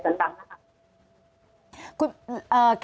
อันดับที่สุดท้าย